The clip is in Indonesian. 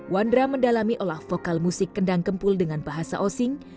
wandra mendalami olah vokal musik kendang kempul dengan bahasa osing